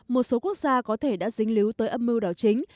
một số quốc gia có thể đã dính líu tới âm mưu đảo chính